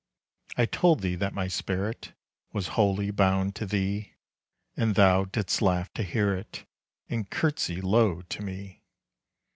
I told thee that my spirit Was wholly bound to thee, And thou didst laugh to hear it, And curtsy low to me.